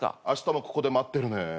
あしたもここで待ってるね。